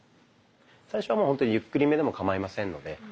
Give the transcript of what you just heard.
最初はもう本当にゆっくりめでもかまいませんので。